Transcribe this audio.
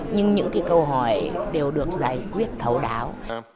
nhưng những câu hỏi đều được giải quyết thấu đáo